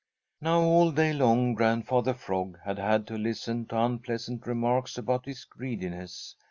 Now all day long Grandfather Frog had had to listen to unpleasant remarks about his greediness.